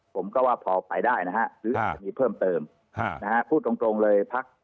ผมก็ว่าพอไปได้นะฮะหรืออาจจะมีเพิ่มเติมนะฮะพูดตรงตรงเลยพัก